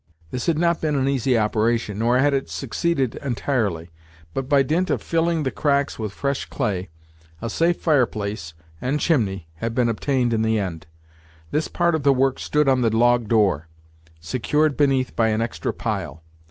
This had not been an easy operation, nor had it succeeded entirely; but by dint of filling the cracks with fresh clay, a safe fireplace and chimney had been obtained in the end. This part of the work stood on the log door, secured beneath by an extra pile.